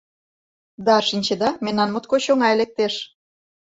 Да, шинчеда, мемнан моткоч оҥай лектеш!